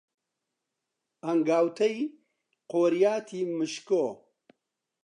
ئەنگاوتەی قۆریاتی مشکۆ،